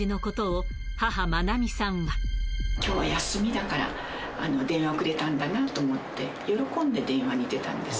きょうは休みだから、電話をくれたんだなと思って、喜んで電話に出たんです。